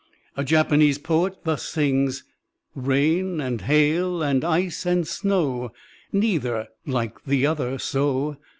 A Japanese poet thus sings: " Rain and hail and ice and snow, Neither like the other. So!